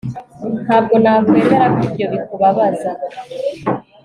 ntabwo nakwemera ko ibyo bikubabaza